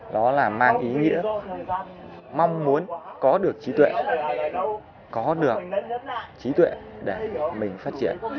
đó là mang ý nghĩa mong muốn có được trí tuệ có được trí tuệ để mình phát triển